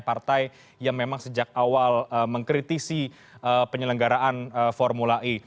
partai yang memang sejak awal mengkritisi penyelenggaraan formula e